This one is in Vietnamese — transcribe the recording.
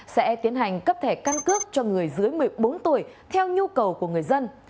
sẽ tiến hành cấp thẻ căn cước cho người dưới một mươi bốn tuổi theo nhu cầu của người dân